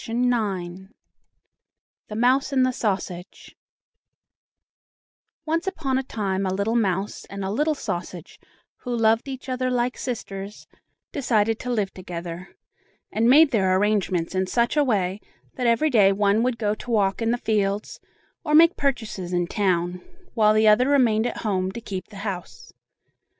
THE MOUSE AND THE SAUSAGE Once upon a time a little mouse and a little sausage, who loved each other like sisters, decided to live together, and made their arrangements in such a way that every day one would go to walk in the fields, or make purchases in town, while the other remained at home to keep the house.